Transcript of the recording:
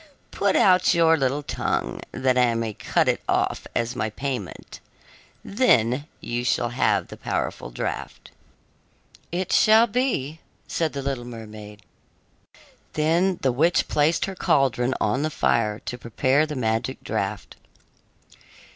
Put out your little tongue, that I may cut it off as my payment; then you shall have the powerful draft." "It shall be," said the little mermaid. Then the witch placed her caldron on the fire, to prepare the magic draft.